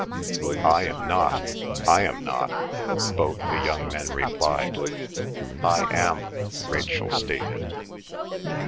"I am not," "I am not," both the young men replied. "I am," Rachel stated.